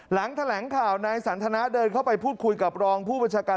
หลังแถลงข่าวนายสันทนาเดินเข้าไปพูดคุยกับรองผู้บัญชาการ